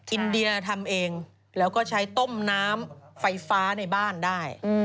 อินเดียทำเองแล้วก็ใช้ต้มน้ำไฟฟ้าในบ้านได้